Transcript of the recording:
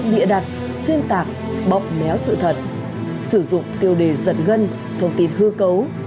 những lời lẽ địa đặt xuyên tạc bọc méo sự thật sử dụng tiêu đề giật gân thông tin hư cấu